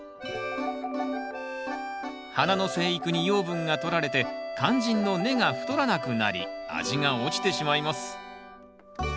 花の生育に養分がとられて肝心の根が太らなくなり味が落ちてしまいます。